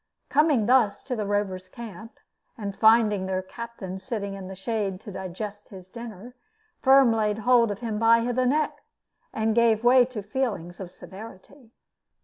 Coming thus to the Rovers' camp, and finding their captain sitting in the shade to digest his dinner, Firm laid hold of him by the neck, and gave way to feelings of severity.